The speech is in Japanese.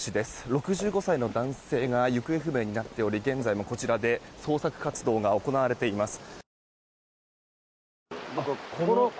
６５歳の男性が行方不明になっており現在もこちらで捜索活動が行われています。